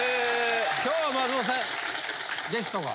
今日は松本さんゲストが。